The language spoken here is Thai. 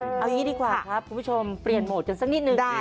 เอาอย่างนี้ดีกว่าครับคุณผู้ชมเปลี่ยนโหมดกันสักนิดนึง